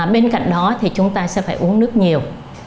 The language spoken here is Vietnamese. bên cạnh đó thì chúng ta sẽ phải uống nước nhiều